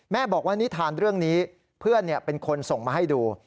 บอกว่านิทานเรื่องนี้เพื่อนเป็นคนส่งมาให้ดู